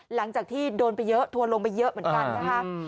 หลังจากที่โดนไปเยอะทัวร์ลงไปเยอะเหมือนกันนะคะ